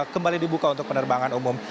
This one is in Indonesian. kembali dibuka untuk penerbangan umum